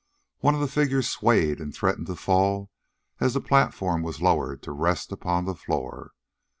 One of the figures swayed and threatened to fall as the platform was lowered to rest upon the floor.